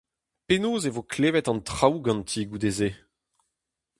Penaos e vo klevet an traoù ganti goude-se ?